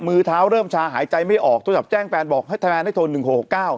มือเท้าเริ่มชาหายใจไม่ออกโทรศัพท์แจ้งแฟนบอกให้ทนายได้โทร๑๖๖๙